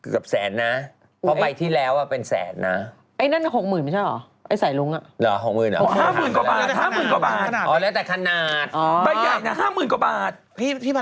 ได้กลับไปคูปองอีก๕๐๐๐